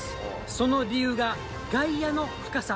その理由が、外野の深さ。